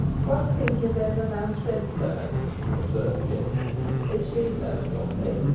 "What think ye then o' Nance Redferne?" observed Jennet. "Is she neaw comely?